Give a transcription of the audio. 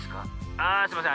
ああすいません。